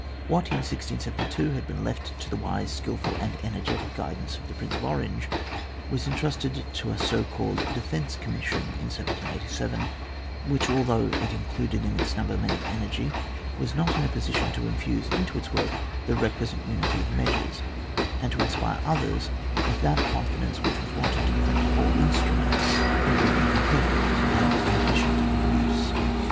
What in 1672 had been left to the wise, skilful, and energetic guidance of the Prince of Orange, was entrusted to a so called Defence Commission in 1787, which although it included in its number men of energy, was not in a position to infuse into its work the requisite unity of measures, and to inspire others with that confidence which was wanted to prevent the whole instrument from proving im perfect and inefficient in use.